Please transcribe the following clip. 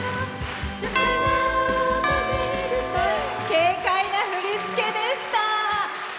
軽快な振り付けでした。